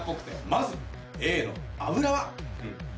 まずＡの油は。